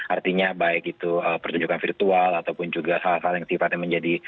artinya baik itu pertunjukan virtual ataupun juga salah satu sifatnya menjadi